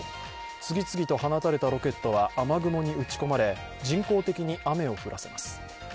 次々と放たれたロケットは雨雲に打ち込まれ人工的に雨を降らせます。